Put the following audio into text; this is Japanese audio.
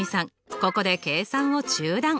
ここで計算を中断！